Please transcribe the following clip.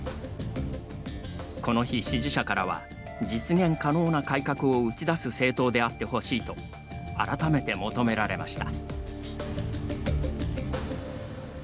この日、支持者からは実現可能な改革を打ち出す政党であってほしいと改めて求められました。